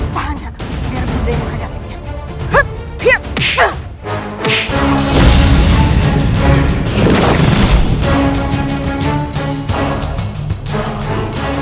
paham ya biar mudah yang menghadapinya